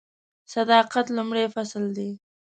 صداقت لومړی فصل دی .